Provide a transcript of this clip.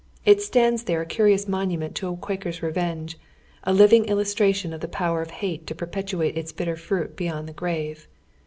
It stands there a curious monument to a Quaker's revenge, a living illustration of the power of hate to perpetuate its bitter fruit beyond the grave.